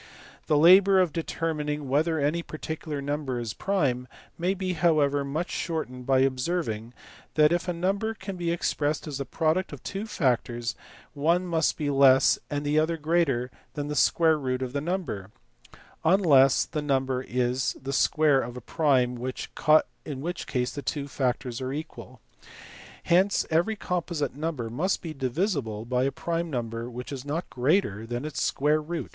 The labour of determining whether any particular ryimber is a prime may be however much shortened by observing that if a number can be expressed as the product of two factors one must be less and the other greater than the square root of the number, unless the number is the square of a prime in which case the two factors are equal. Hence every composite number must be divisible by a prime which is not greater than its square root.